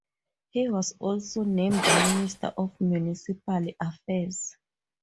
He was also named Minister of Municipal Affairs.